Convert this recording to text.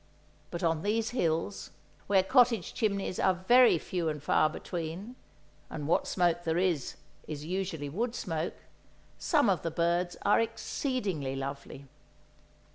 But on these hills, where cottage chimneys are very few and far between, and what smoke there is, is usually wood smoke, some of the birds are exceedingly lovely.